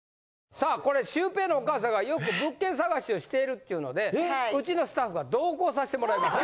さあこれシュウペイのお母さんがよく物件探しをしているっていうのでうちのスタッフが同行さしてもらいました。